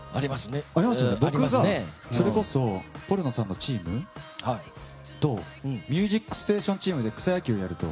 僕がそれこそポルノさんのチームと「ミュージックステーション」チームで草野球をやると。